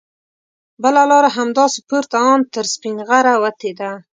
بله لاره همداسې پورته ان تر سپینغره وتې ده.